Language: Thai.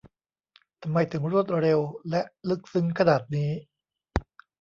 ทำไมถึงรวดเร็ว และ ลึกซึ้งขนาดนี้ !